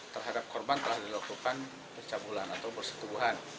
terhadap korban telah dilakukan percambulan atau perstubuhan